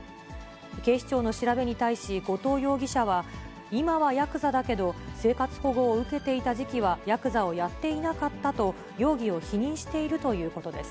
警視庁の調べに対し、後藤容疑者は今はヤクザだけど、生活保護を受けていた時期は、ヤクザをやっていなかったと容疑を否認しているということです。